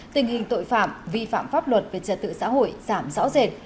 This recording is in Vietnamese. tình hình tội phạm vi phạm pháp luật về trật tự xã hội giảm rõ rệt